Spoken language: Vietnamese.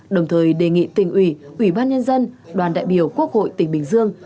đồng thời đề nghị tỉnh ủy ủy ban nhân dân đoàn đại biểu quốc hội tỉnh bình dương